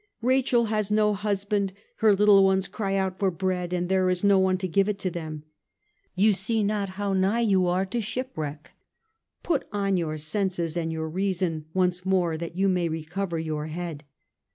Rachel has no husband ; her little ones cry out for bread and there is no one to give it them. You see not how nigh you are to shipwreck : put on your senses and your reason once more that you may recover your Head."